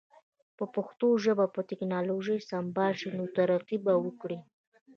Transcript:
که پښتو ژبه په ټکنالوژی سمبال شی نو ترقی به وکړی